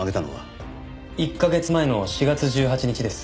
１カ月前の４月１８日です。